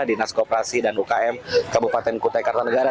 dinas koperasi dan ukm kabupaten kutai kartanegara